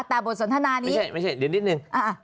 แต่บทสนทนานี้ไม่ใช่ไม่ใช่เดี๋ยวนิดนึง